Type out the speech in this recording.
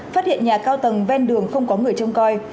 phát hiện nhà cao tầng ven đường không có người trông coi